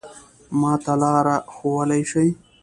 ما ته لاره ښوولای شې؟